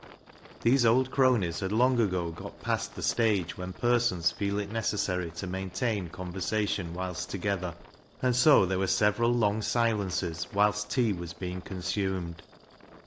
These old cronies had long ago got past the stage when persons feel it necessary to maintain conversation whilst 143 J44 BECKSIDE LIGHTS together, and so there were several long silences whilst tea was being consumed.